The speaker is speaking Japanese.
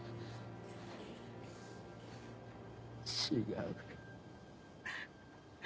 違う。